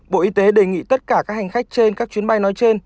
bộ y tế đề nghị tất cả các hành khách trên các chuyến bay nói trên